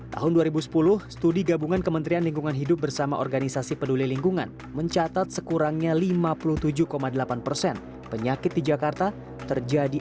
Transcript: tahun dua ribu sepuluh studi gabungan kementerian lingkungan hidup bersama organisasi peduli lingkungan mencatat sekurangnya lima puluh tujuh delapan persen penyakit di jakarta terjadi